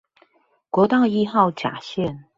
國道一號甲線